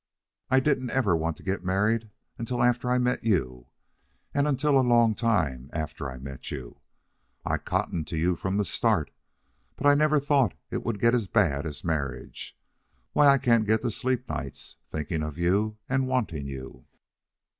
"I didn't ever want to get married until after I met you, and until a long time after I met you. I cottoned to you from the start; but I never thought it would get as bad as marriage. Why, I can't get to sleep nights, thinking of you and wanting you."